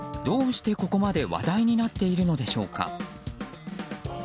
どうしてここまで話題になっているのでしょうか？